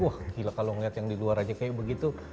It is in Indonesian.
wah gila kalau ngeliat yang di luar aja kayak begitu